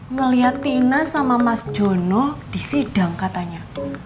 ngelihat tina sama mas jono di sidang katanya